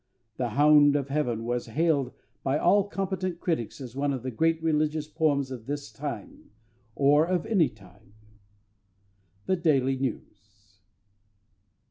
The Hound of Heaven was hailed by all competent critics as one of the great religious poems of this time or of any time. _The Daily News.